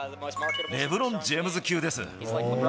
レブロン・ジェームズ級です。